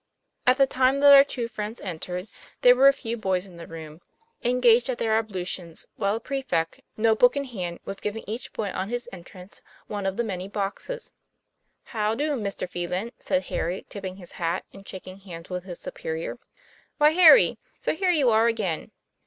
At the time that our two friends entered there were a few 46 TOM PLA YFAIR. boys in the room, engaged at their ablutions, while a prefect, note book in hand, was giving each boy on his entrance one of the many boxes. " Howdo, Mr. Phelan," said Harry, tipping his hat and shaking hands with his superior. "Why, Harry! So here you are again."